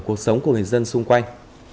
cuộc sống của người dân xung quanh